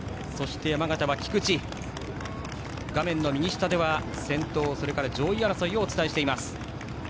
画面の右下では先頭、上位争いをお伝えしています。